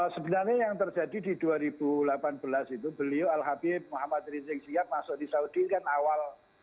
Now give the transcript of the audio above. sebenarnya yang terjadi di dua ribu delapan belas itu beliau al habib muhammad rizieq siak masuk di saudi kan awal dua ribu tujuh belas